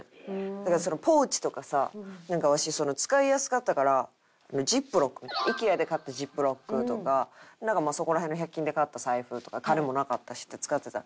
だからポーチとかさなんかワシ使いやすかったからジップロックＩＫＥＡで買ったジップロックとかなんかそこら辺の１００均で買った財布とか金もなかったしって使ってたら。